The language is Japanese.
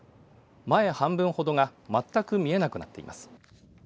前半分ほどが全く見えなくなっています。